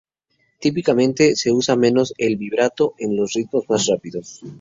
Típicamente, se usa menos el vibrato en los ritmos más rápidos.